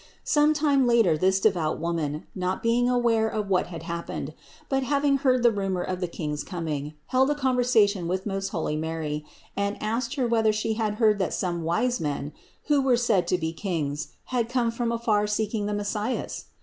Some time later this devout woman, not being aware of what had happened, but having heard the rumor of the Kings' coming, held a conversation with most holy Mary and asked Her whether She had heard that some wise men, who were said to be kings, had come from far seeking the Messias